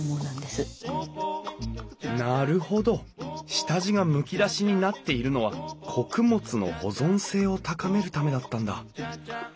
なるほど下地がむき出しになっているのは穀物の保存性を高めるためだったんだ！